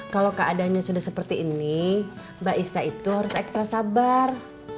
kalau keadaannya sudah seperti ini mbak isa itu harus ekstra sabar